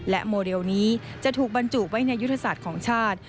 โมเดลนี้จะถูกบรรจุไว้ในยุทธศาสตร์ของชาติ